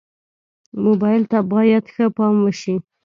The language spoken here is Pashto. موبایل ته باید ښه پام وشي.